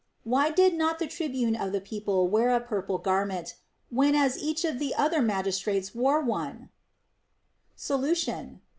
Why did not the tribune of the people wear a purple garment, whenas each of the other magis trates woize one \ Solution.